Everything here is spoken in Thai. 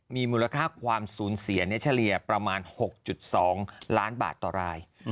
มีมูลค่าความสูญเสียเฉลี่ยประมาณ๖๒ล้านบาทต่อราย